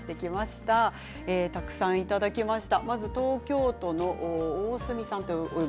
たくさんいただきました。